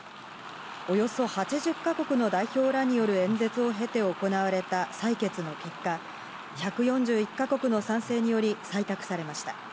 およそ８０か国の代表らによる演説を経て行われた採決の結果、１４１か国の賛成により採択されました。